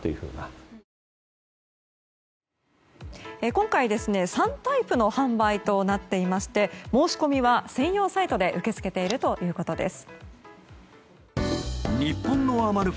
今回、３タイプの販売となっていまして申し込みは専用サイトで受け付けているということです。